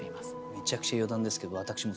めちゃくちゃ余談ですけどえっ！？